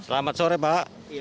selamat sore pak